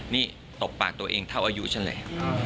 นี่ตบปากตัวเองเท่าอายุเฉลย